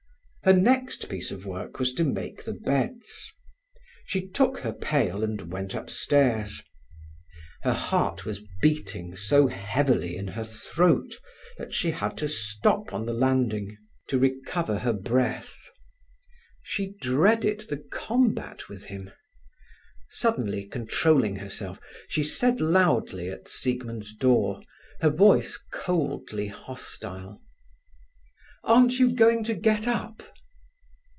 Her next piece of work was to make the beds. She took her pail and went upstairs. Her heart was beating so heavily in her throat that she had to stop on the landing to recover breath. She dreaded the combat with him. Suddenly controlling herself, she said loudly at Siegmund's door, her voice coldly hostile: "Aren't you going to get up?"